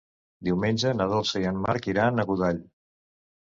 Diumenge na Dolça i en Marc iran a Godall.